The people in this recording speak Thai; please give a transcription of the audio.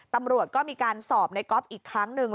ตำรวจก็มีการสอบในก๊อฟอีกครั้งหนึ่ง